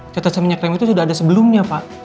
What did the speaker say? tetesan minyak rem itu sudah ada sebelumnya pak